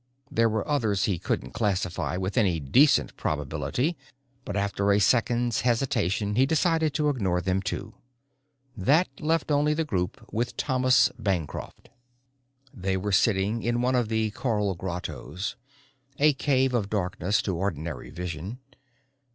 There were others he couldn't classify with any decent probability but after a second's hesitation he decided to ignore them too. That left only the group with Thomas Bancroft. They were sitting in one of the coral grottos, a cave of darkness to ordinary vision.